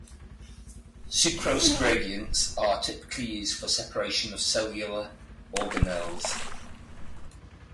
Sucrose gradients are typically used for separation of cellular organelles.